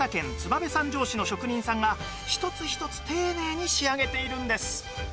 市の職人さんが一つ一つ丁寧に仕上げているんです